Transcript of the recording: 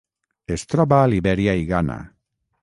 Es troba a Libèria i Ghana.